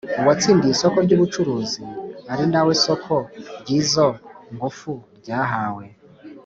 Uwatsindiy isoko ryubucuruzi ari na we soko ry izo ngufu ryahawe